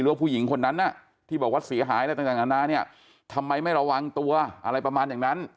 ตัวผู้หญิงคนนั้นที่บอกว่าเสียหายทำไมไม่ระวังตัวอะไรประมาณอย่างนั้น